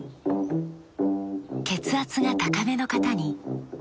血圧が高めの方に。